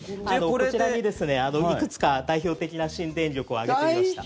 こちらにいくつか代表的な新電力を挙げてみました。